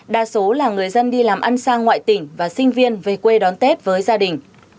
đa số là người dân đi làm ăn sang ngoại tỉnh và sinh viên về quê đón tết với gia đình